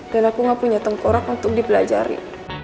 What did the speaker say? dan aku gak punya tengkorak untuk dipelajari